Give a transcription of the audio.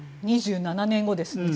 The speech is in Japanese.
２７年後です。